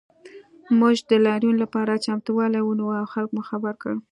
موږ د لاریون لپاره چمتووالی ونیو او خلک مو خبر کړل